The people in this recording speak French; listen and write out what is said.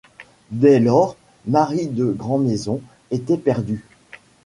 Dès lors, Marie de Grandmaison était perdue.